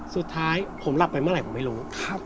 สุดท้ายผมหลับไปเมื่อไหร่ผมไม่รู้